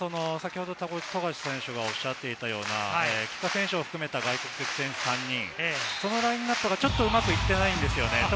富樫選手がおっしゃっていたような帰化選手を含めた外国選手３人、そのラインナップがうまくいっていないんですよね。